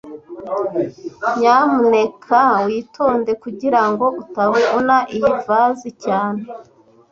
Nyamuneka witonde kugirango utavuna iyi vase cyane